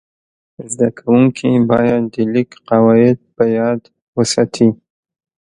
زده کوونکي باید د لیک قواعد په یاد وساتي.